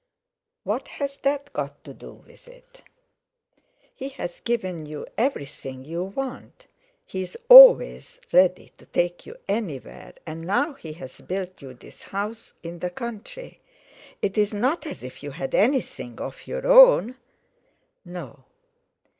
"What's that got to do with it? He's given you everything you want. He's always ready to take you anywhere, and now he's built you this house in the country. It's not as if you had anything of your own." "No."